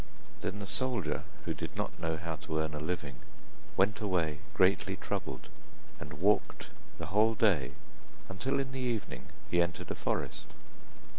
Then the soldier did not know how to earn a living, went away greatly troubled, and walked the whole day, until in the evening he entered a forest.